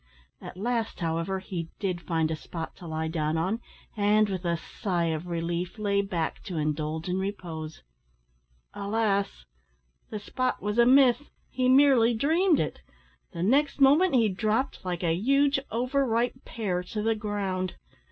At last, however, he did find a spot to lie down on, and, with a sigh of relief, lay back to indulge in repose. Alas! the spot was a myth he merely dreamed it; the next moment he dropt, like a huge over ripe pear, to the ground.